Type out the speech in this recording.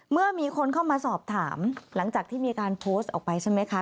เมื่อมีคนเข้ามาสอบถามหลังจากที่มีการโพสต์ออกไปใช่ไหมคะ